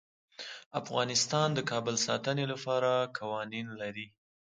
افغانستان د کابل د ساتنې لپاره قوانین لري.